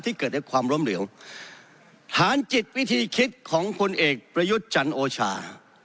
ที่เกิดได้ความล้มเหลี่ยวฐานจิตวิธีคิดของพลเอกประยุจจันโอชา